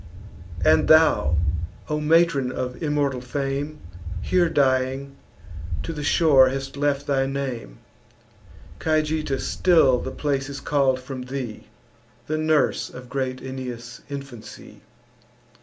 And thou, O matron of immortal fame, Here dying, to the shore hast left thy name; Cajeta still the place is call'd from thee, The nurse of great Aeneas' infancy.